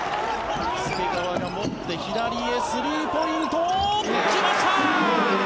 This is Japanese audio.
介川が持ってスリーポイント。来ました！